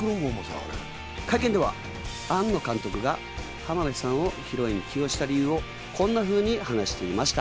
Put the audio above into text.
会見では庵野監督が浜辺さんをヒロインに起用した理由をこんなふうに話していました。